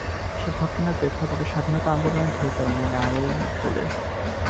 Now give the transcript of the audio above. এসব ঘটনার প্রেক্ষাপটে স্বাধীনতা আন্দোলনের ঢেউ তার মনে আলোড়ন তোলে।